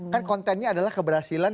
kan kontennya adalah keberhasilan